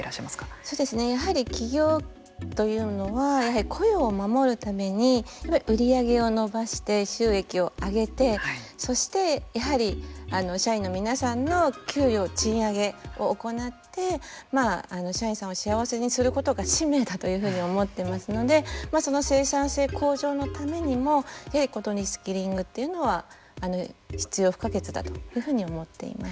そうですねやはり企業というのは雇用を守るために売り上げを伸ばして収益を上げてそして、やはり社員の皆さんの給与、賃上げを行って社員さんを幸せにすることが使命だというふうに思ってますのでその生産性向上のためにもこのリスキリングというのは必要不可欠だというふうに思っています。